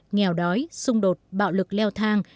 nghèo đói xung đột bạo lực leo thang